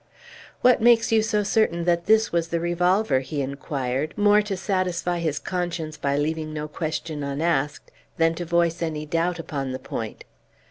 "What makes you so certain that this was the revolver?" he inquired, more to satisfy his conscience by leaving no question unasked than to voice any doubt upon the point.